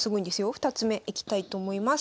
２つ目いきたいと思います。